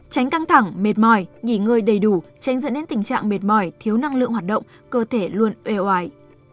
tránh căng thẳng mệt mỏi nhỉ ngơi đầy đủ tránh dẫn đến tình trạng mệt mỏi thiếu năng lượng hoạt động cơ thể luôn êo ái